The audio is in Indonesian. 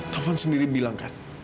taufan sendiri bilang kan